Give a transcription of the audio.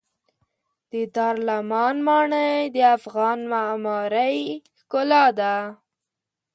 د دارالامان ماڼۍ د افغان معمارۍ ښکلا ده.